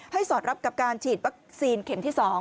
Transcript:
สอดรับกับการฉีดวัคซีนเข็มที่๒